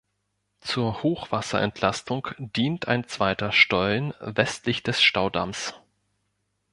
Zur Hochwasserentlastung dient ein zweiter Stollen westlich des Staudamms.